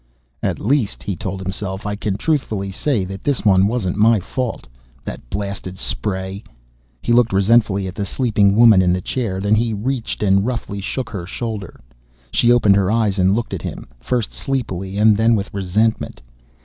"At least," he told himself, "I can truthfully say that this one wasn't my fault. That blasted spray " He looked resentfully at the sleeping woman in the chair. Then he reached and roughly shook her shoulder. She opened her eyes and looked at him, first sleepily and then with resentment.